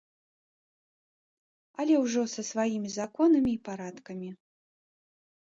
Але ўжо са сваімі законамі і парадкамі.